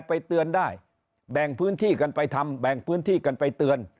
ไปเตือนได้แบ่งพื้นที่กันไปทำแบ่งพื้นที่กันไปเตือน